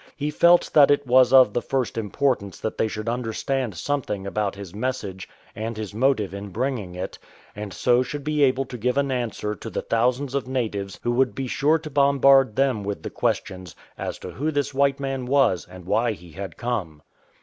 He felt that it was of the first importance that they should understand something about his message and his motive in bringing it, and so should be able to give an answer to the thousands of natives who would be sure to bombard them with questions as to who this white man was and why he had come.